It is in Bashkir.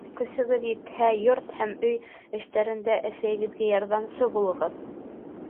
Көсөгөҙ етһә, йорт һәм өй эштәрендә әсәгеҙгә ярҙамсы булығыҙ.